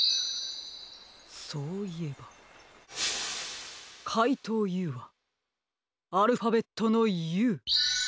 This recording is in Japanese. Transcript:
そういえばかいとうＵはアルファベットの「Ｕ」。